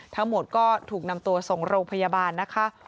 ทั้งหมดก็ถูกนำตัวส่งโรงพยาบาลนะคะ